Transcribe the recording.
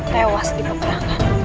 tewas di perangan